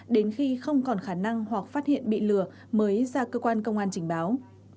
đến khi không còn khả năng hoặc phát hiện bị lừa mới ra cơ quan công an trình báo